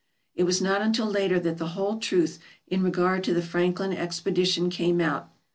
It was not until later that the whole truth in regard to the Franklin expedition came out.